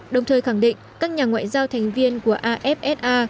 đồng thời khẳng định các nhà ngoại giao thành viên của afsa